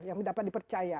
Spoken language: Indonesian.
yang dapat dipercaya